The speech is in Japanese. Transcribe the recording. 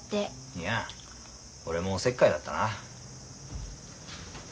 いや俺もおせっかいだったな。